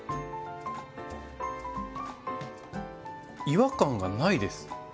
違和感がないです。